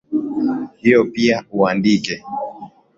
Hio pia uandike